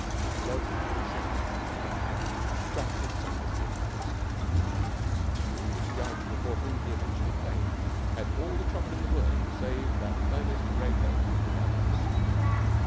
So the sheik, with his rifle, shot his son as he had promised, and the English judge before whom he eventually came had all the trouble in the world to save that earnest gray head from the gallows.